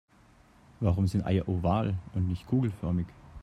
Warum sind Eier oval und nicht kugelförmig?